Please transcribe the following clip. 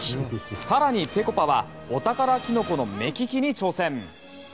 更に、ぺこぱはお宝キノコの目利きに挑戦。